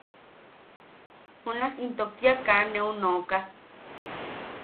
Junak into kia kaa neu nooka.